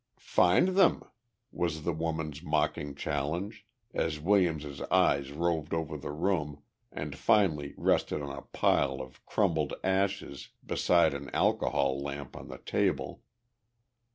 "Find them!" was the woman's mocking challenge as Williams's eyes roved over the room and finally rested on a pile of crumbled ashes beside an alcohol lamp on the table.